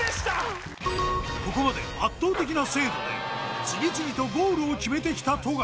ここまで圧倒的な精度で次々とゴールを決めてきた富樫